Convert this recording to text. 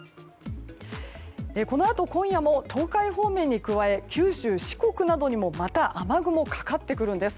このあと今夜も東海方面に加え九州・四国などにも雨雲かかってくるんです。